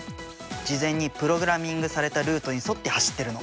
事前にプログラミングされたルートに沿って走ってるの。